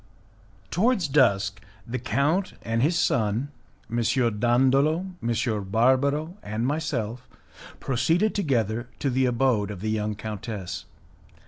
Towards dusk, the count and his son, M. Dandolo, M. Barbaro, and myself, proceeded together to the abode of the young countess.